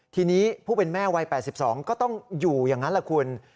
ทีนี้ผู้เป็นแม่วัย๘๒ก็ต้องอยู่อย่างนั้นแหละคุณ